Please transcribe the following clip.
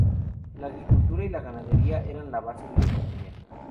La agricultura y la ganadería eran la base de la economía.